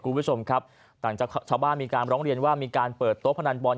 คุณผู้ชมครับต่างจากชาวบ้านมีการร้องเรียนว่ามีการเปิดโต๊ะพนันบอล